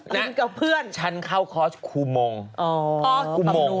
ยังกับเพื่อนฉันเข้าคอร์สกูมงอ๋อกูมง